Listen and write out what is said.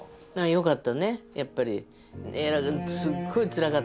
よかったねやっぱり。